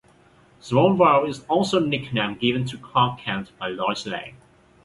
Smallville is also a nickname given to Clark Kent by Lois Lane.